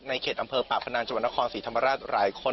ในเขตปะพะนางจบนคมสีธรรมราช